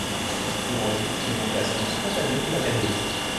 Il en résulte une aimantation spontanée du matériau.